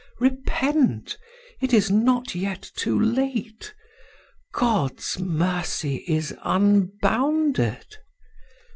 repent, it is not yet too late. God's mercy is unbounded.